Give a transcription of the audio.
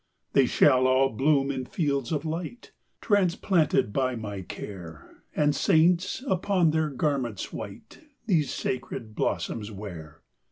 "They shall all bloom in fields of light, Transplanted by my care, And saints, upon their garments white, These sacred blossoms wear."